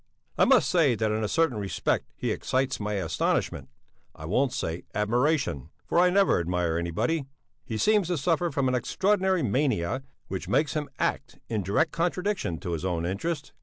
I must say that in a certain respect he excites my astonishment I won't say admiration, for I never admire anybody. He seems to suffer from an extraordinary mania which makes him act in direct contradiction to his own interest.